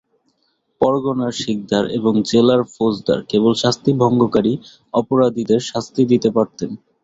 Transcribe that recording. পরগনার সিকদার এবং জেলার ফৌজদার কেবল শান্তি ভঙ্গকারী অপরাধীদের শাস্তি দিতে পারতেন।